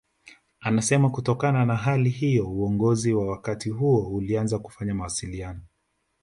Anasema kutokana na hali hiyo uongozi wa wakati huo ulianza kufanya mawasiliano